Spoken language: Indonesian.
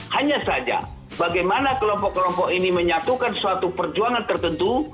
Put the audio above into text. hanya saja bagaimana kelompok kelompok ini menyatukan suatu perjuangan tertentu